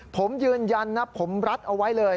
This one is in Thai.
ผมยืนยันนะผมรัดเอาไว้เลย